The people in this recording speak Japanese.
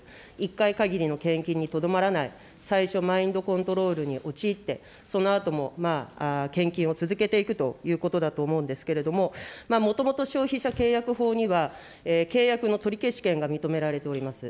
１回限りの献金にとどまらない、最初、マインドコントロールに陥って、そのあとも献金を続けていくということだと思うんですけれども、もともと消費者契約法には、契約の取消権が認められております。